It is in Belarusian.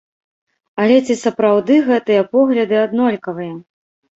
Але ці сапраўды гэтыя погляды аднолькавыя?